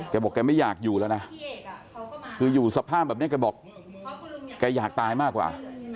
บอกแกไม่อยากอยู่แล้วนะคืออยู่สภาพแบบนี้แกบอกแกอยากตายมากกว่า